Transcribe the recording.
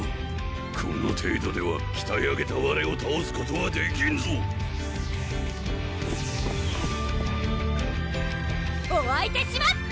この程度ではきたえ上げたわれをたおすことはできんぞお相手します！